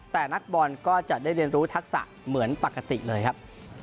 แต่นักบอลก็จะได้เรียนรู้ทักษะเหมือนปกติเลยครับ